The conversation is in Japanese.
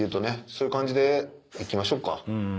そういう感じでいきましょうか。